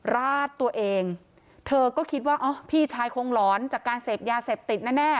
ราดตัวเองเธอก็คิดว่าอ๋อพี่ชายคงหลอนจากการเสพยาเสพติดแน่